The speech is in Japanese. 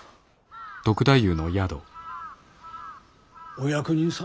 お役人様。